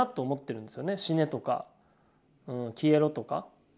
死ねとか消えろとか。